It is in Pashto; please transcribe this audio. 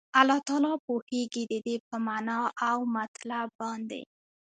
الله تعالی پوهيږي ددي په معنا او مطلب باندي